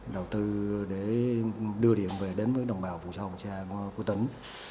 đầu tư để đưa điện về đến với đồng bào vùng sâu vùng xa của tỉnh